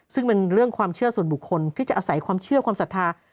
ซึ่งเป็นเรื่องความเชื่อส่วนบุคคลที่จะอาศัยความเชื่อความศรัทธา